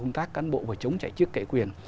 công tác cán bộ và chống chạy chức chạy quyền